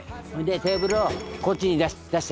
テーブルをこっちに出して。